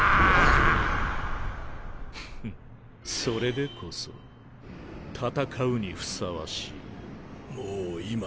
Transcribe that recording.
それでこそ戦うにふさわしい。